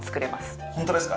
本当ですか？